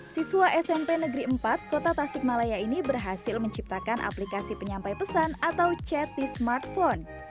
siswa smp negeri empat kota tasikmalaya ini berhasil menciptakan aplikasi penyampai pesan atau chat di smartphone